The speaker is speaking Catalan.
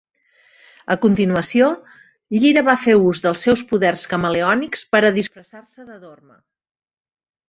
A continuació, Llyra va fer ús dels seus poders camaleònics per a disfressar-se de Dorma.